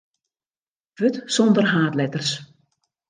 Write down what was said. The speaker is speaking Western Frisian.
Wurd sonder haadletters.